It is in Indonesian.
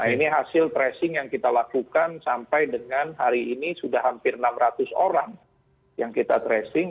nah ini hasil tracing yang kita lakukan sampai dengan hari ini sudah hampir enam ratus orang yang kita tracing